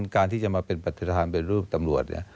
การที่จะมาเป็นประธานเป็นรูปตำรวจ